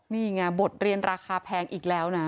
นี่ไงบทเรียนราคาแพงอีกแล้วนะ